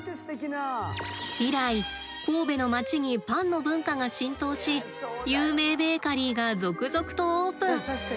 以来神戸の街にパンの文化が浸透し有名ベーカリーが続々とオープン。